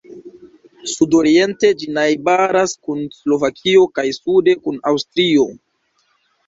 Sudoriente ĝi najbaras kun Slovakio kaj sude kun Aŭstrio.